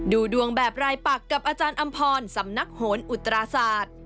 ดูดวงแบบรายปักกับอาจารย์อำพรสำนักโหนอุตราศาสตร์